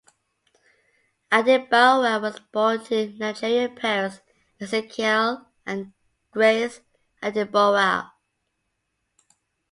Adebowale was born to Nigerian parents Ezekiel and Grace Adebowale.